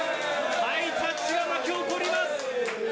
ハイタッチが巻き起こります。